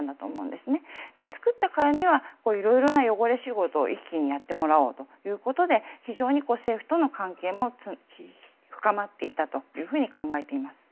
で、作ったからにはいろいろな汚れ仕事を一気にやってもらおうということで非常に政府との関係も深まっていったと考えています。